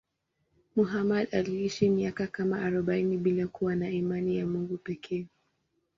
Muhammad aliishi miaka kama arobaini bila kuwa na imani ya Mungu pekee.